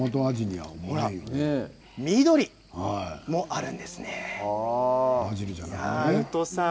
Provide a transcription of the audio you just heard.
緑も、あるんですよ。